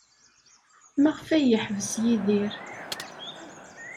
Maɣef ay yeḥbes Yidir?